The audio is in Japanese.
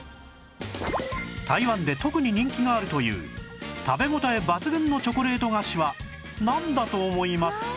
台湾で特に人気があるという食べ応え抜群のチョコレート菓子はなんだと思いますか？